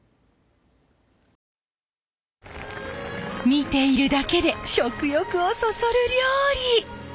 見ているだけで食欲をそそる料理！